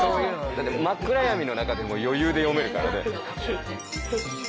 だって真っ暗闇の中でも余裕で読めるからね。